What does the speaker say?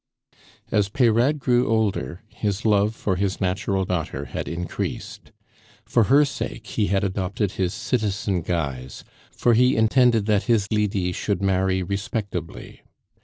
As Peyrade grew older, his love for his natural daughter had increased. For her sake he had adopted his citizen guise, for he intended that his Lydie should marry respectably.